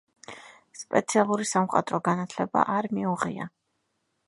სპეციალური სამხატვრო განათლება არ მიუღია.